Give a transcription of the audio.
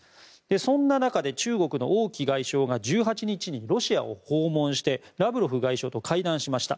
そんな中、中国の王毅外相が１８日にロシアを訪問してラブロフ外相と会談しました。